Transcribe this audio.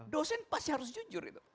dosen pasti harus jujur